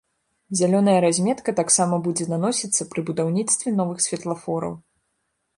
Зялёная разметка таксама будзе наносіцца пры будаўніцтве новых светлафораў.